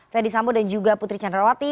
fedy sambo dan juga putri chandrawati